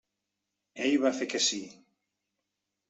Ell va fer que sí.